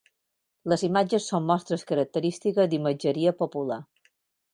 Les imatges són mostres característiques d'imatgeria popular.